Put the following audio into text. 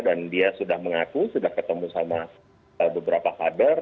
dan dia sudah mengaku sudah ketemu sama beberapa kabar